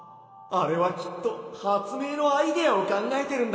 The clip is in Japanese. あれはきっとはつめいのアイデアをかんがえてるんだな。